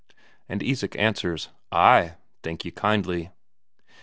And Isak answers: "Ay, thank ye kindly."